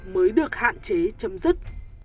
mới được hạn chế chấm dứt